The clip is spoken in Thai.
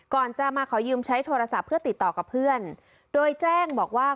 ก่อนจะมาขอยืมใช้โทรศัพท์เพื่อติดต่อกับเพื่อนโดยแจ้งบอกว่า